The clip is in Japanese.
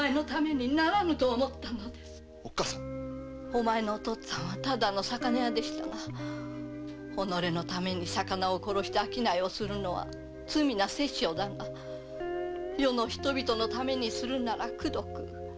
お前のおとっつぁんは魚屋でしたが「己のために魚を殺して商いするのは罪な殺生だが世の人々のためにするなら功徳